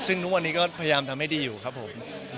ซึ่งทุกวันนี้ก็พยายามทำให้ดีอยู่ครับผม